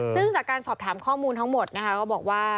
ซึ่งจากการสอบถามข้อมูลทั้งหมดนะคะก็บอกว่า